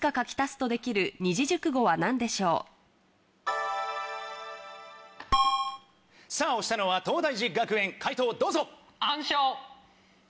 ピンポン押したのは東大寺学園解答をどうぞ！